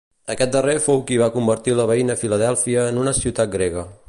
Aquest darrer fou qui va convertir la veïna Filadèlfia en una ciutat grega.